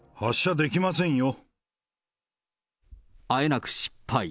あえなく失敗。